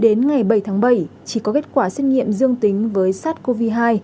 đến ngày bảy tháng bảy chỉ có kết quả xét nghiệm dương tính với sars cov hai